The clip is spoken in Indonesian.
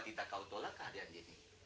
tidak kau tolak kehadian ini